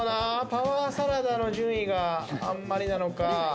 パワーサラダの順位があんまりなのか。